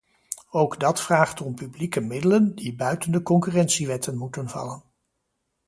Ook dat vraagt om publieke middelen, die buiten de concurrentiewetten moeten vallen.